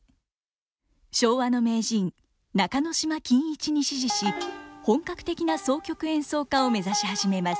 昭和の名人中能島欣一に師事し本格的な箏曲演奏家を目指し始めます。